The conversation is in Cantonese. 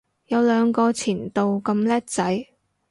有兩個前度咁叻仔